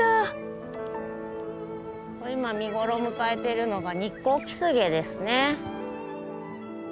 今見頃を迎えているのがニッコウキスゲですね。